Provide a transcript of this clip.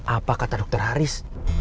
apa kata dokter haris